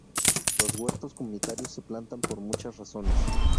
Los huertos comunitarios se plantan por muchas razones.